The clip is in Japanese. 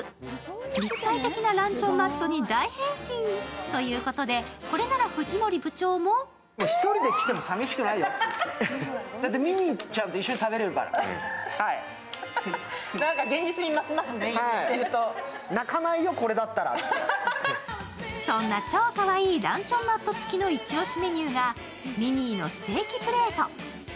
立体的なランチョンマットに大変身ということで、これなら藤森部長もそんな超かわいランチョンマットつきのイチ押しメニューがミニーのステーキプレート。